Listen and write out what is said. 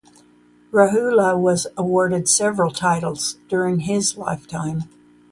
Rahula was awarded several titles during his lifetime.